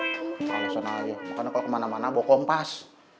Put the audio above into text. kalau soal aja makanya kalau kemana mana bawa kompas